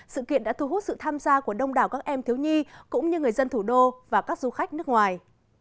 sự kiện đã thu hút sự tham gia của đông đảo các em thiếu nhi cũng như người dân thủ đô và các du khách nước ngoài